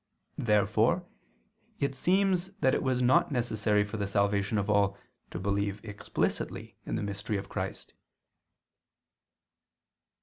Therefore it seems that it was not necessary for the salvation of all to believe explicitly in the mystery of Christ.